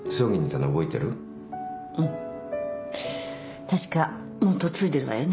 確かもう嫁いでるわよね？